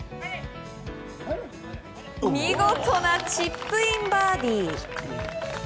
見事なチップインバーディー。